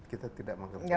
kita tidak mau kemana mana